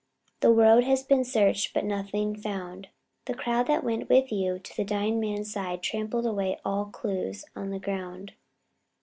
The road has been searched but nothing found, and the crowd that went with you to the dying man's side trampled away all clues on the ground.